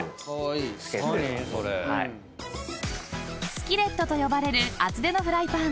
［スキレットと呼ばれる厚手のフライパン］